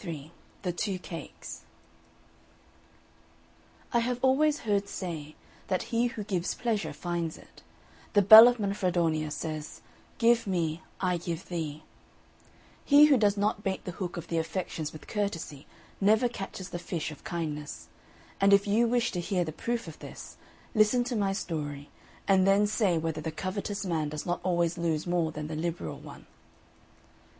XXIII THE TWO CAKES I have always heard say, that he who gives pleasure finds it: the bell of Manfredonia says, "Give me, I give thee": he who does not bait the hook of the affections with courtesy never catches the fish of kindness; and if you wish to hear the proof of this, listen to my story, and then say whether the covetous man does not always lose more than the liberal one.